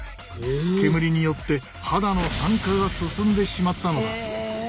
煙によって肌の酸化が進んでしまったのだ。